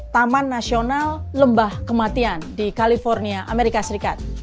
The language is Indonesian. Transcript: taman nasional lembah kematian di california amerika serikat